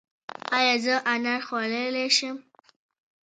ایا زه انار خوړلی شم؟